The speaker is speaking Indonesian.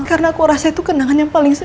karena aku rasa itu kenangan yang paling se